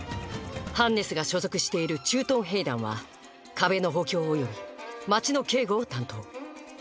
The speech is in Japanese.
ハンネスが所属している「駐屯兵団」は壁の補強および街の警護を担当。